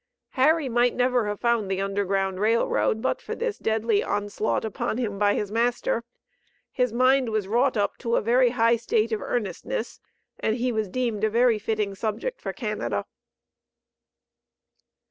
Harry might never have found the Underground Rail Road, but for this deadly onslaught upon him by his master. His mind was wrought up to a very high state of earnestness, and he was deemed a very fitting subject for Canada.